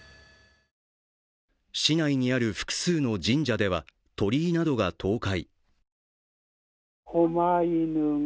市内にある複数の神社では鳥居などが崩壊。